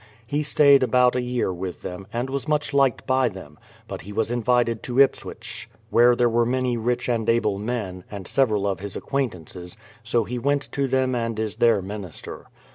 He stayed about a year with them, and was much liked by them ; but he was invited to Ipswich, where there were many rich and able men, and several of his acquaintances, so he went to them and is their minister.